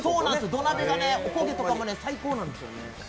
土鍋が、おこげとかも最高なんです。